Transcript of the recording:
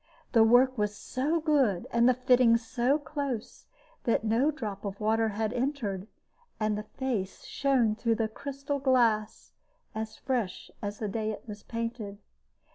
The work was so good, and the fitting so close, that no drop of water had entered, and the face shone through the crystal glass as fresh as the day it was painted.